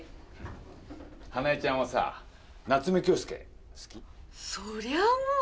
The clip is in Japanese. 花恵ちゃんはさ、夏目恭輔、そりゃあもう。